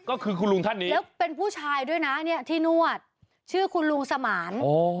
ก็คือคุณลุงท่านนี้แล้วเป็นผู้ชายด้วยนะเนี่ยที่นวดชื่อคุณลุงสมาน